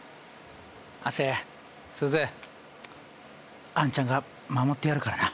亜生すずあんちゃんが守ってやるからな。